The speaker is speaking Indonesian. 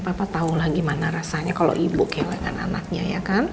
papa tahu lah gimana rasanya kalau ibu kehilangan anaknya ya kan